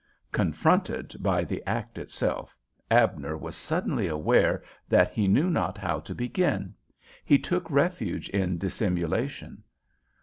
Confronted by the act itself, Abner was suddenly aware that he knew not how to begin. He took refuge in dissimulation.